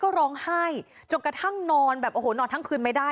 ตอนนี้มันจะสุดเย็นแล้วกลับบ้านแต่ก็ไม่ได้